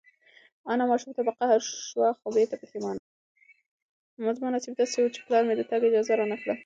زما نصیب داسې و چې پلار مې د تګ اجازه رانه کړه.